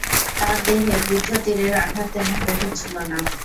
তার দেহে বিদ্ধ তীরের আঘাত তেমন গভীর ছিল না।